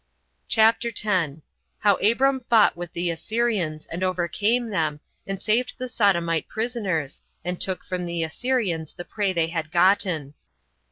CHAPTER 10. How Abram Fought With The Assyrians, And Overcame Them, And Saved The Sodomite Prisoners, And Took From The Assyrians The Prey They Had Gotten.